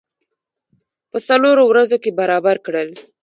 په څلورو ورځو کې برابر کړل.